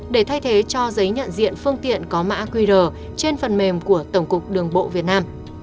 để thay thế cho giấy nhận diện phương tiện có mã qr trên phần mềm của tổng cục đường bộ việt nam